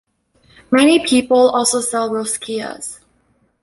Many people also sell rosquillas.